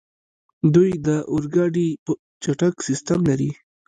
دوی د اورګاډي چټک سیسټم لري.